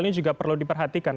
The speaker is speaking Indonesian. ini juga perlu diperhatikan